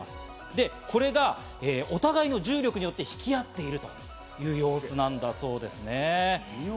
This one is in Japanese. で、これがお互いの重力によって引き合っているという様子なんだそうですね。